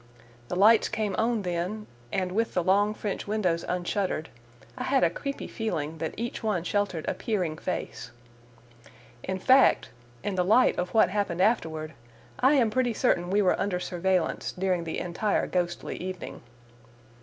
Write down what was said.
The lights came on then, and, with the long French windows unshuttered, I had a creepy feeling that each one sheltered a peering face. In fact, in the light of what happened afterward, I am pretty certain we were under surveillance during the entire ghostly evening.